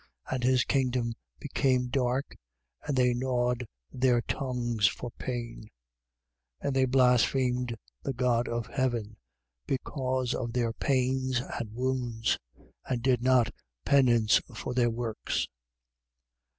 And his kingdom became dark: and they gnawed their tongues for pain. 16:11. And they blasphemed the God of heaven, because of their pains and wounds: and did not penance for their works.